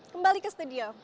kembali ke studio